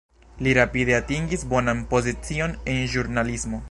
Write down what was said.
Li rapide atingis bonan pozicion en ĵurnalismo.